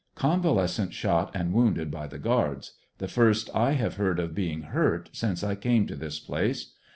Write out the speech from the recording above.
Convalescent shot and wounded by the guards, the first I have heard of being hurt since I came to this place.